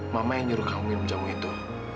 mama yang nyuruh kamu minum jamu itu